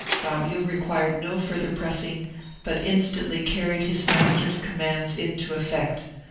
Fabio required no further pressing, but instantly carried his master's commands into effect.